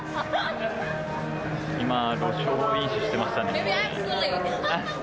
今、路上飲酒してましたね。